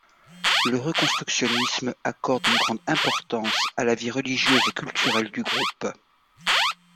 Le reconstructionnisme accorde une grande importance à la vie religieuse et culturelle du groupe.